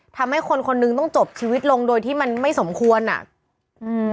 ทำให้คนคนนึงต้องจบชีวิตลงโดยที่มันไม่สมควรอ่ะอืม